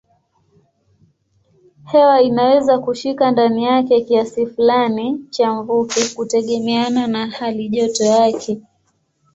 Hewa inaweza kushika ndani yake kiasi fulani cha mvuke kutegemeana na halijoto yake.